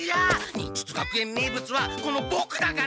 忍術学園名物はこのボクだから！